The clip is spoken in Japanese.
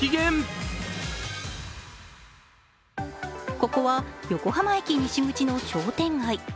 ここは横浜駅西口の商店街。